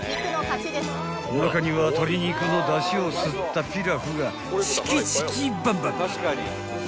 ［おなかには鶏肉のだしを吸ったピラフがチキチキバンバン！］